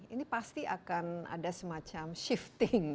ini pasti akan ada semacam shifting